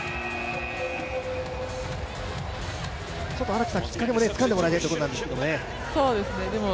荒木さん、きっかけもつかんでもらいたいところなんですけれども。